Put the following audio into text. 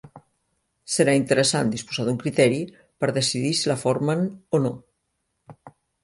Serà interessant disposar d'un criteri per decidir si la formen o no.